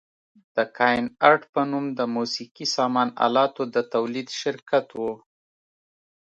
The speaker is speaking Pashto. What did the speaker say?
د کاین ارټ په نوم د موسقي سامان الاتو د تولید شرکت و.